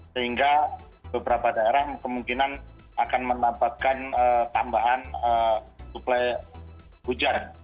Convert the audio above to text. sehingga beberapa daerah kemungkinan akan menambahkan tambahan suplai hujan